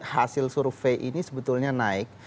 hasil survei ini sebetulnya naik